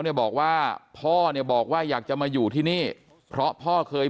เนี่ยบอกว่าพ่อเนี่ยบอกว่าอยากจะมาอยู่ที่นี่เพราะพ่อเคย